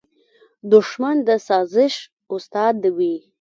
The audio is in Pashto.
دښمن د سازش استاد وي